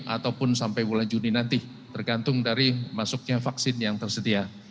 ataupun sampai bulan juni nanti tergantung dari masuknya vaksin yang tersedia